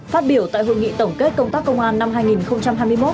phát biểu tại hội nghị tổng kết công tác công an năm hai nghìn hai mươi một